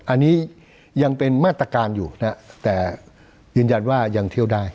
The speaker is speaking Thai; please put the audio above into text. อันนี้ยังเป็นมาตรการอยู่นะแต่ยืนยันว่ายังเที่ยวได้